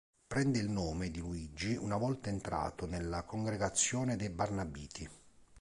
Prende il nome di Luigi una volta entrato nella Congregazione dei Barnabiti.